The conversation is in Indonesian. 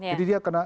jadi dia kena